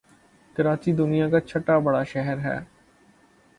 کراچی دنیا کاچهٹا بڑا شہر ہے